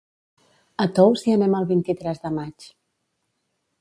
A Tous hi anem el vint-i-tres de maig.